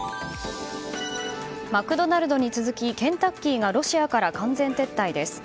マクドナルドに続きケンタッキーがロシアから完全撤退です。